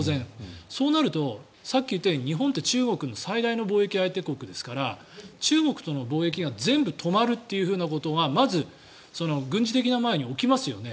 そうなるとさっき言ったように日本って中国が最大貿易相手国ですから中国との貿易が全部止まるということがまず軍事的な前に起きますよね。